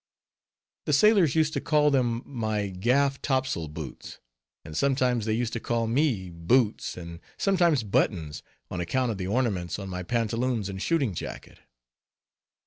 The sailors used to call them my "gaff topsail boots." And sometimes they used to call me "Boots," and sometimes "Buttons," on account of the ornaments on my pantaloons and shooting jacket.